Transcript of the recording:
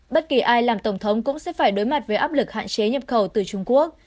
bất kỳ ai làm tổng thống cũng sẽ phải đối mặt với áp lực hạn chế nhập khẩu từ trung quốc